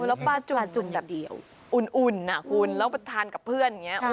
แล้วป้าจุลาจุนแบบเดียวอุ่นคุณแล้วทานกับเพื่อนอย่างนี้